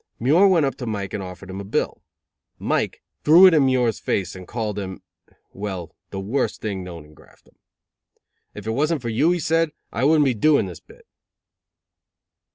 Muir went up to Mike and offered him a bill. Mike threw it in Muir's face and called him well, the worst thing known in Graftdom. "If it wasn't for you," he said, "I wouldn't be doing this bit."